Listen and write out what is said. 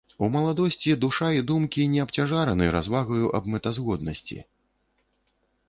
У маладосці душа і думкі не абцяжараны развагаю аб мэтазгоднасці.